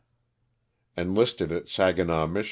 Enlisted at Saginaw, Mich.